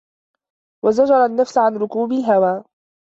وَزَجَرَ النَّفْسَ عَنْ رُكُوبِ الْهَوَى